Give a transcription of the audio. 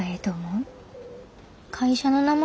会社の名前？